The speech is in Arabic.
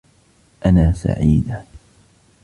أنا سعيدة.